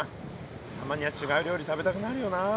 たまには違う料理食べたくなるよな。